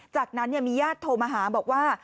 จากนั้นมีญาติโทรมาหาบอกว่า